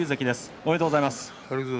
おめでとうございます。